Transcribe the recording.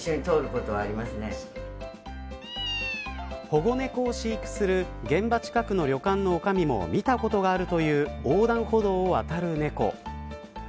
保護猫を飼育する現場近くの旅館のおかみも見たことがあるという横断歩道を渡る猫。